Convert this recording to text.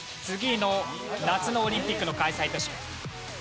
次の夏のオリンピックの開催都市。